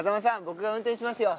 僕が運転しますよ